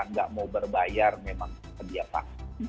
tidak mau berbayar memang ke dia pak